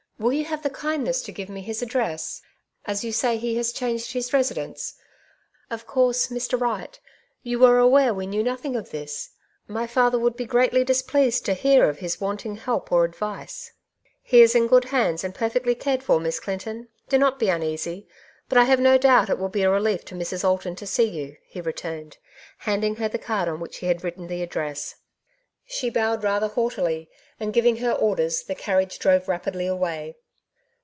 *' Will you have the kindness to give me his address? as you say he has changed his residence. Of course, Mr. Wright, you are aware we knew nothing of this.. My father would be greatly dis pleased to hear of his wanting help or advice.*' " He is in good hands, and perfectly cared for, Miss Clinton. Do not be uneasv ; but I have no doubfc it will be a relief to Mrs. Alton to see you," he returned, handing her the card on which he had written the address. She .bowed rather haughtily, and giving her orders, the carriage drove rapidly away.